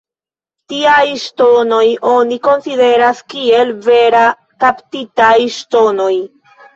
Tiajn ŝtonojn oni konsideras kiel vere kaptitaj ŝtonoj.